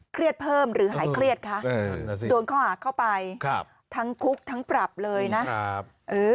เพิ่มหรือหายเครียดคะโดนข้อหาเข้าไปทั้งคุกทั้งปรับเลยนะครับ